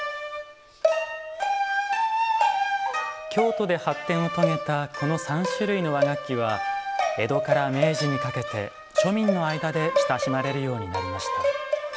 京都で発展を遂げたこの３種類の和楽器は江戸から明治にかけて庶民の間で親しまれるようになりました。